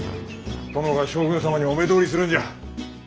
殿が将軍様にお目通りするんじゃ。